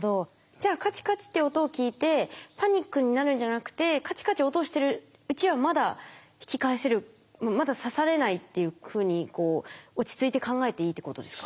じゃあカチカチって音を聞いてパニックになるんじゃなくてカチカチ音してるうちはまだ引き返せるまだ刺されないっていうふうに落ち着いて考えていいってことですか？